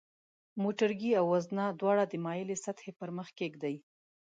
موټرګی او وزنه دواړه د مایلې سطحې پر مخ کیږدئ.